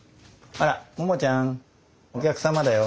あらモモちゃんお客様だよ。